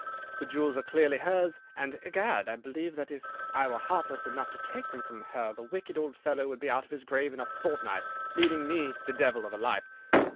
The jewels are clearly hers, and, egad, I believe that if I were heartless enough to take them from her, the wicked old fellow would be out of his grave in a fortnight, leading me the devil of a life.